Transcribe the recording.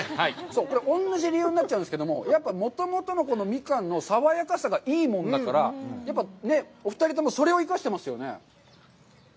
これ、同じ理由になっちゃうんですけど、やっぱり、もともとのミカンの爽やかさがいいもんだから、お二人ともそれを生かしてますよね。